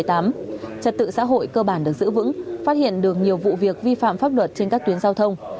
trật tự xã hội cơ bản được giữ vững phát hiện được nhiều vụ việc vi phạm pháp luật trên các tuyến giao thông